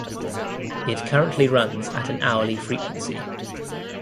It currently runs at an hourly frequency.